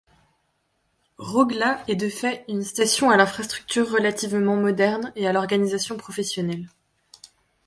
Rogla est de fait une station à l'infrastructure relativement moderne et à l'organisation professionnelle.